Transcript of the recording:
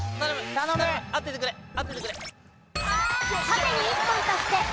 縦に１本足してＥＩ。